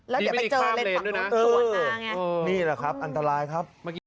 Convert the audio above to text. แล้วเดี๋ยวไปเจอเลนส์ของเขาส่วนหน้าอย่างนี้นะครับอันตรายครับ